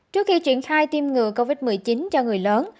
trước khi triển khai tiêm ngừa covid một mươi chín cho người lớn